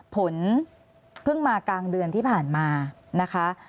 เพิ่งมากลางเดือนที่ผ่านมานะคะ